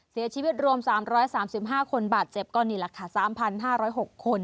เสียชีวิตรวม๓๓๕คนบาดเจ็บก็นี่แหละค่ะ๓๕๐๖คน